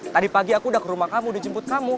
tadi pagi aku udah ke rumah kamu dijemput kamu